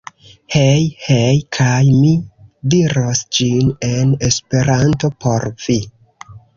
Hej! Hej! Kaj mi diros ĝin en esperanto por vi.